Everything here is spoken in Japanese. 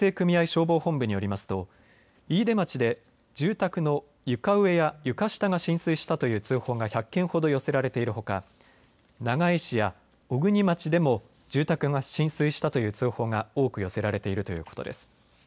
消防本部によりますと飯豊町で住宅の床上や床下が浸水したという通報が１００件ほど寄せられているほか、長井市や小国町でも住宅が浸水したという通報が多く寄せられているということです。